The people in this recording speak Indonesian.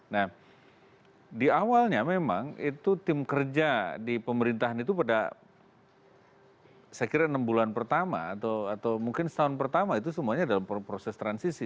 nah di awalnya memang itu tim kerja di pemerintahan itu pada saya kira enam bulan pertama atau mungkin setahun pertama itu semuanya dalam proses transisi